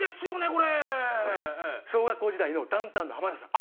これ？小学校時代のダウンタウンの浜田さん。